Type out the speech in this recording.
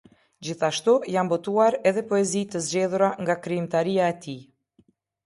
Gjithashtu janë botuar edhe poezi të zgjedhura nga krijimtaria e tij.